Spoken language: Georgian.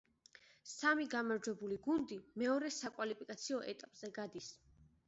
სამი გამარჯვებული გუნდი მეორე საკვალიფიკაციო ეტაპზე გადის.